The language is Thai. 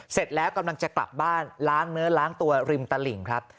เสร็จแล้วกำลังจะกลับบ้านล้างเนื้อล้างตัวริมตลิ่งครับ